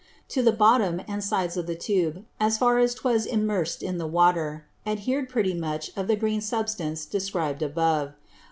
To the bottom and sides of the Tube, as far as 'twas immers'd in the Water, adher'd pretty much of the green Substance describ'd above.